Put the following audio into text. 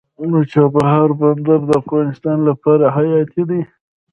د چابهار بندر د افغانستان لپاره حیاتي دی